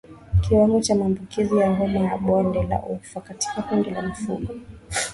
Kiwango cha maambukizi ya homa ya bonde la ufa katika kundi la mifugo